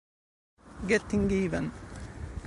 Getting Even